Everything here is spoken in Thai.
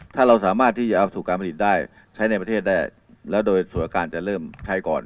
ถ้าเราสามารถที่จะเอาสู่การผลิตได้ใช้ในประเทศได้แล้วโดยส่วนการจะเริ่มใช้ก่อน